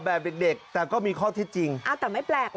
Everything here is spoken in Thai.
เขาว่าเดี๋ยวตาช้ำ